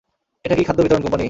এটা কি খাদ্য বিতরণ কোম্পানি?